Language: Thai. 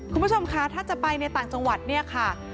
คุณผู้ชมคะถ้าจะไปในต่างจังหวัดเนี่ยค่ะ